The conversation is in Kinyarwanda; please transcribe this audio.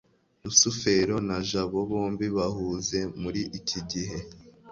rusufero na jabo bombi bahuze muri iki gihe